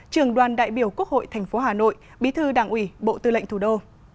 trường đoàn đại biểu quốc hội tp hà nội bí thư đảng ủy bộ tư lệnh thủ đô